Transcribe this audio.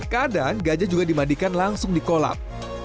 kadang gajah juga dimandikan langsung di kolam